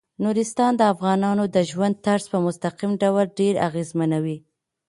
نورستان د افغانانو د ژوند طرز په مستقیم ډول ډیر اغېزمنوي.